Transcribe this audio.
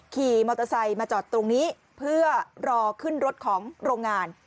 ขี่มอเตอร์ไซค์มาจอดตรงนี้เพื่อรอขึ้นรถของโรงงาน